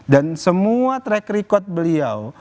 dan semua track record beliau